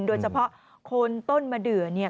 โดยเฉพาะคนต้นมะเดือเนี่ย